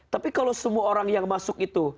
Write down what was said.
tapi kalau semua orang yang masuk itu